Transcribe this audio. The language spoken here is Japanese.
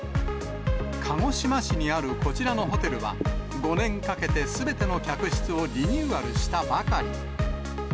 鹿児島市にあるこちらのホテルは、５年かけてすべての客室をリニューアルしたばかり。